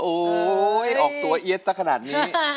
โอ๊ยออกตัวเอี๊ยดสักขนาดนี้